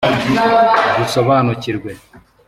Dusobanukirwe